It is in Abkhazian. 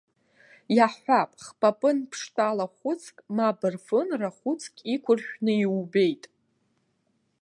Иаҳҳәап, хпапын ԥштәала хәыцк, ма бырфын рахәыцк иқәыршәны иубеит.